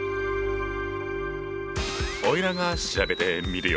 おいらが調べてみるよ。